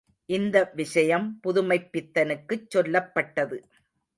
இந்த விஷயம் புதுமைப் பித்தனுக்குச் சொல்லப்பட்டது.